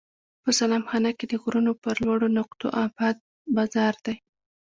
په سلام خانه کې د غرونو پر لوړو نقطو اباد بازار دی.